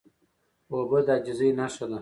اوبه د عاجزۍ نښه ده.